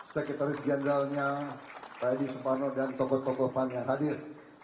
sekretaris jenderalnya pak edi suparno dan tokoh tokoh pan yang hadir